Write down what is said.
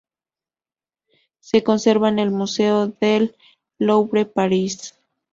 Se conserva en el Museo del Louvre, París.